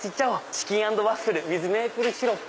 チキン＆ワッフルｗｉｔｈメープルシロップ。